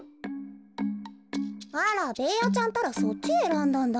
あらベーヤちゃんったらそっちえらんだんだ。